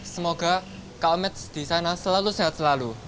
semoga colmets di sana selalu sehat selalu